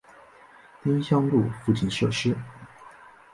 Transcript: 丁香路附近设施